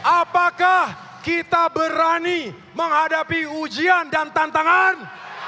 apakah kita berani menghadapi ujian dan tantangan